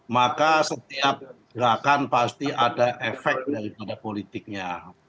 maka setiap gerakan pasti ada efek daripada politiknya